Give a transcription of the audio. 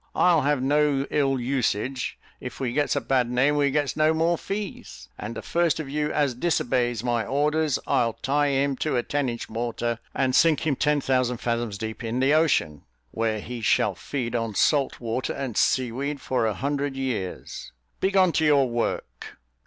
I'll have no ill usage; if we gets a bad name, we gets no more fees; and the first of you as disobeys my orders, I'll tie him to a ten inch mortar, and sink him ten thousand fathoms deep in the ocean, where he shall feed on salt water and sea weed for a hundred years: begone to your work."